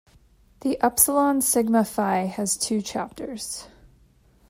The Upsilon Sigma Phi has two chapters.